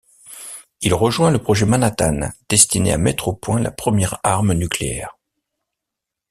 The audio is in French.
Il rejoint le projet Manhattan destiné à mettre au point la première arme nucléaire.